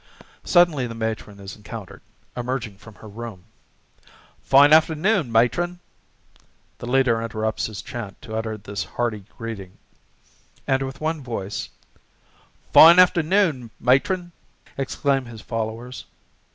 Suddenly the Matron is encountered, emerging from her room. "Fine afternoon, Matron!" The leader interrupts his chant to utter this hearty greeting. And, with one voice, "Fine afternoon, Matron!" exclaim his followers.